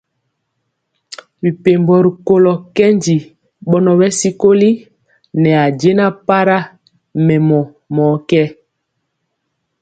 Mɛpembo rikolo kɛndi bɔnɔ bɛ sikoli ne jɛna para mɛmɔ mɔ ké.